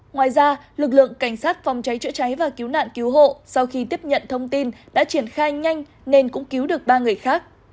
ngoài ra lực lượng cảnh sát phòng cháy chữa cháy và cứu nạn cứu hộ sau khi tiếp nhận thông tin đã triển khai nhanh nên cũng cứu được ba người khác